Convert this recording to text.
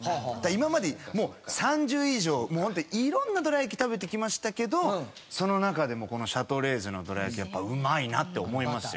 今までもう３０以上ホント色んなどら焼き食べてきましたけどその中でもこのシャトレーゼのどら焼きやっぱうまいなって思いますよ。